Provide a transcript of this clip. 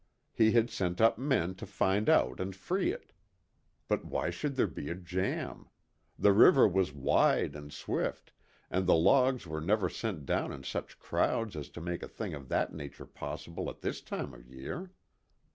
He had sent up men to find out and free it. But why should there be a jam? The river was wide and swift, and the logs were never sent down in such crowds as to make a thing of that nature possible at this time of year.